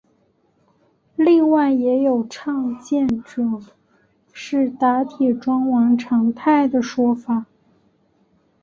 另外也有倡建者是打铁庄王长泰的说法。